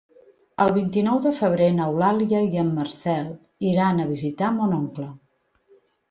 El vint-i-nou de febrer n'Eulàlia i en Marcel iran a visitar mon oncle.